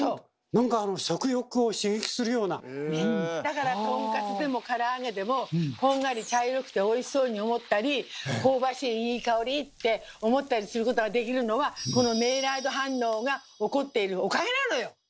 だからトンカツでもから揚げでもこんがり茶色くておいしそうに思ったり香ばしいいい香りって思ったりすることができるのはこのメイラード反応が起こっているおかげなのよ！